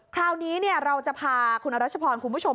คราวนี้เราจะพาคุณอรัชพรคุณผู้ชม